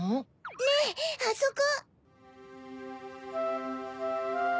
ねぇあそこ！